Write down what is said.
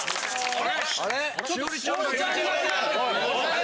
・・あれ？